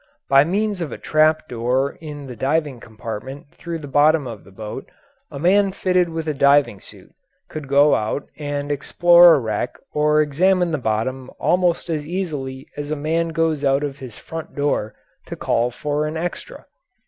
By means of a trap door in the diving compartment through the bottom of the boat a man fitted with a diving suit could go out and explore a wreck or examine the bottom almost as easily as a man goes out of his front door to call for an "extra."